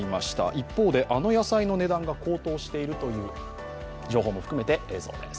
一方であの野菜の値段が高騰しているという情報も含めて映像です。